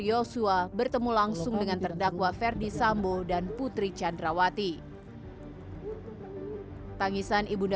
yosua bertemu langsung dengan terdakwa ferdi sambo dan putri candrawati tangisan ibunda